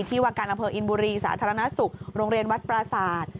ว่าการอำเภออินบุรีสาธารณสุขโรงเรียนวัดปราศาสตร์